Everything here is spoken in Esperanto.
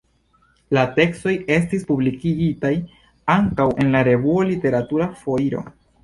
La tekstoj estis publikigitaj ankaŭ en la revuo Literatura Foiro.